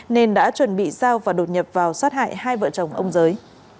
nên đã chuẩn bị giao và đột nhập vào sát hại hai vợ chồng ông giới